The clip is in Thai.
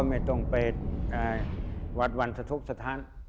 ไม่ต้องไปวาดวรรษทธกษ์สถาน